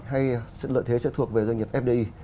hay lợi thế sẽ thuộc về doanh nghiệp fdi